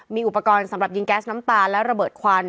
มีอุปกรณ์สำหรับยิงแก๊สน้ำตาและระเบิดควัน